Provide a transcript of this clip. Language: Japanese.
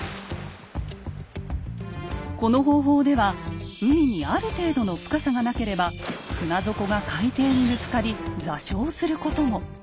この方法では海にある程度の深さがなければ船底が海底にぶつかり座礁することも。